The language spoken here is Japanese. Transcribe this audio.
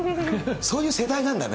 そういう世代なんだね。